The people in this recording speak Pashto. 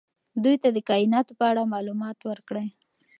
دوی ته د کائناتو په اړه معلومات ورکړئ.